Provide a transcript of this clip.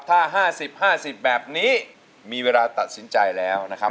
ถ้า๕๐๕๐แบบนี้มีเวลาตัดสินใจแล้วนะครับ